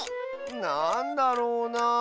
なんだろうなあ。